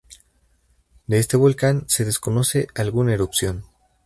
De este volcán se desconoce alguna erupción.